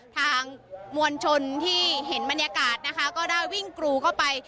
ทางมวลชนที่เห็นบรรยากาศยิงกรุ้วเข้าไป